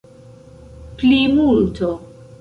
plimulto